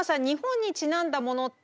日本にちなんだもの